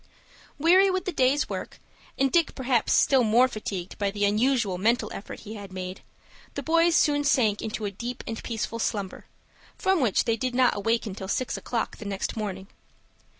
Weary with the day's work, and Dick perhaps still more fatigued by the unusual mental effort he had made, the boys soon sank into a deep and peaceful slumber, from which they did not awaken till six o'clock the next morning.